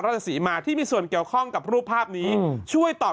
สีมาที่มีส่วนเกี่ยวข้องกับรูปภาพนี้ช่วยตอบ